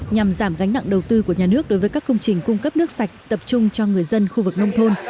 nhằm giảm gánh nặng đầu tư của nhà nước đối với các công trình cung cấp nước sạch tập trung cho người dân khu vực nông thôn